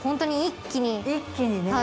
一気にね。